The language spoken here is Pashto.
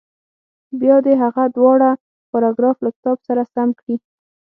بیا دې هغه دواړه پاراګراف له کتاب سره سم کړي.